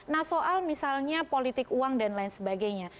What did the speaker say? nah soal misalnya politik uang dan lain sebagainya